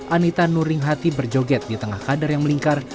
anita nuringhati berjoget di tengah kadar yang melingkar